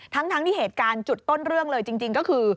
ทั้งที่เหตุการณ์จุดต้นเรื่องเลยจริงก็คือ